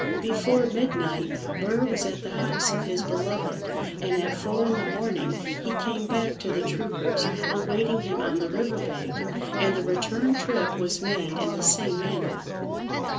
Before midnight, Burr was at the house of his beloved, and at four in the morning he came back to the troopers awaiting him on the river bank, and the return trip was made in the same manner.